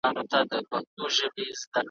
ما د خپلي سجدې لوری له اورغوي دی اخیستی `